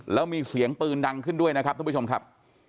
แล้วมีเสียงปืนดังขึ้นด้วยนะครับท่านผู้ชมครับ